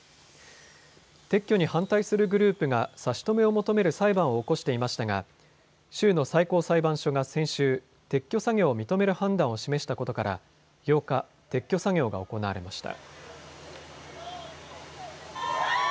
撤去に反対するグループが差し止めを求める裁判を起こしていましたが州の最高裁判所が先週、撤去作業を認める判断を示したことから８日、撤去作業が行われました。